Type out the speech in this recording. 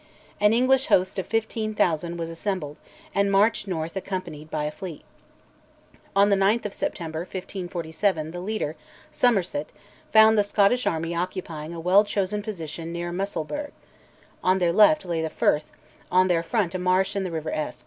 An English host of 15,000 was assembled, and marched north accompanied by a fleet. On the 9th of September 1547 the leader, Somerset, found the Scottish army occupying a well chosen position near Musselburgh: on their left lay the Firth, on their front a marsh and the river Esk.